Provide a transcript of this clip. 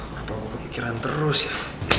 kenapa kepikiran terus ya